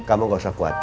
kamu gak usah khawatir